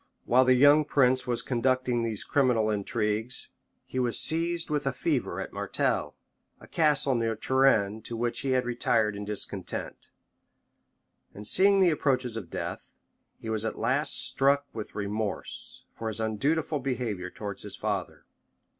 While the young prince was conducting these criminal intrigues, he was seized with a fever at Martel, {1183.} a castle near Turenne to which he had retired in discontent; and seeing the approaches of death, he was at last struck with remorse for his undutiful behavior towards his father.